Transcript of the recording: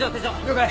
了解！